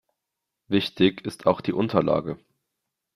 Wichtig ist auch die Unterlage.